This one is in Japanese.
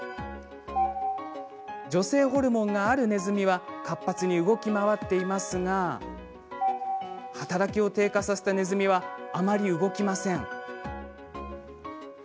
女性ホルモンがある、ネズミは活発に動き回っていますが働きを低下させた、ネズミはあまり動きません。